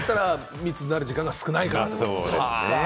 密になる時間が少ないですね。